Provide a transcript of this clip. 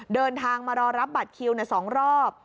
เดินทางมารอรับบัตรคิว๒รอบ